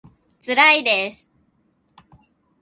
つらいです